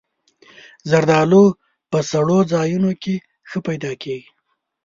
زردالو په سړو ځایونو کې ښه پیدا کېږي.